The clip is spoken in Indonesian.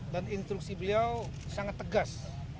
dan instruksi beliau sangat tegas